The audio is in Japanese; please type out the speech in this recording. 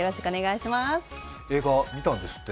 映画見たんですって？